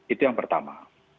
itu yang pertama